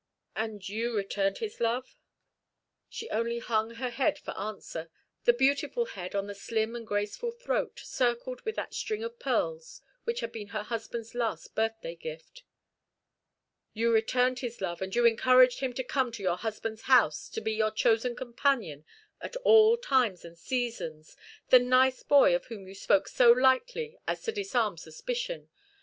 "And you returned his love?" She only hung her head for answer, the beautiful head on the slim and graceful throat, circled with that string of pearls which had been her husband's last birthday gift. "You returned his love, and you encouraged him to come to your husband's house, to be your chosen companion at all times and seasons, the 'nice boy' of whom you spoke so lightly as to disarm suspicion.